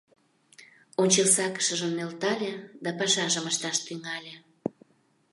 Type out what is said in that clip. ончылсакышыжым нӧлтале да пашажым ышташ тӱҥале.